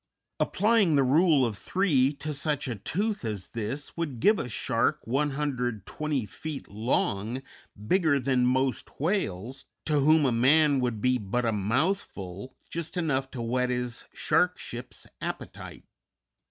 Applying the rule of three to such a tooth as this would give a shark 120 feet long, bigger than most whales, to whom a man would be but a mouthful, just enough to whet his sharkship's appetite.